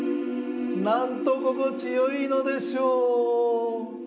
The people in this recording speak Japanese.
なんとここちよいのでしょう！